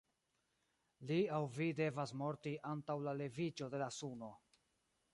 Li aŭ vi devas morti antaŭ la leviĝo de la suno.